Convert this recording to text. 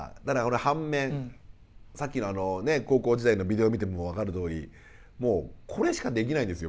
反面さっきの高校時代のビデオ見ても分かるとおりもうこれしかできないんですよ